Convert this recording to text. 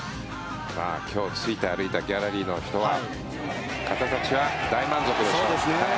今日、ついて歩いたギャラリーの方たちは大満足でしょう。